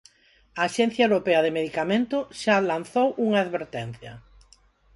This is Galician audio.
A axencia europea de medicamento xa lanzou unha advertencia.